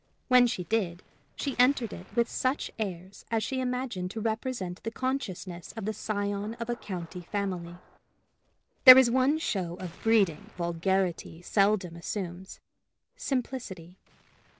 When she did, she entered it with such airs as she imagined to represent the consciousness of the scion of a county family: there is one show of breeding vulgarity seldom assumes simplicity.